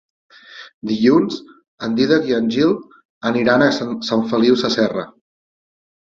Dilluns en Dídac i en Gil aniran a Sant Feliu Sasserra.